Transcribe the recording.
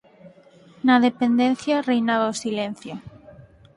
Na dependencia reinaba o silencio.